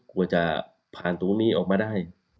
กว่าจะผ่านตรงนี้ออกมาได้